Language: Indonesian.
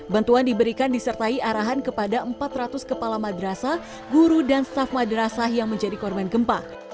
bantuan diberikan disertai arahan kepada empat ratus kepala madrasah guru dan staff madrasah yang menjadi korban gempa